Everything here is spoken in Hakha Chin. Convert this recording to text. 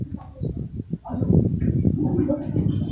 Khan kan hawt lai.